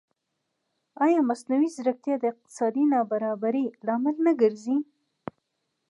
ایا مصنوعي ځیرکتیا د اقتصادي نابرابرۍ لامل نه ګرځي؟